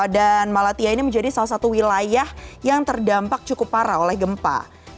dan malatya ini menjadi salah satu wilayah yang terdampak cukup parah oleh gempa